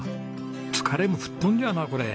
疲れも吹っ飛んじゃうなこれ。